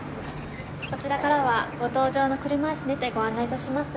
こちらからはご搭乗用の車椅子にてご案内致します。